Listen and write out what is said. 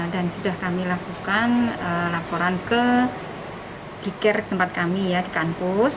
dan sudah kami lakukan laporan ke bikir tempat kami ya di kampus